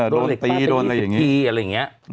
โดนตีโดนอะไรอย่างนี้